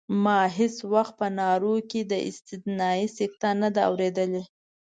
ما هېڅ وخت په نارو کې استثنایي سکته نه ده اورېدلې.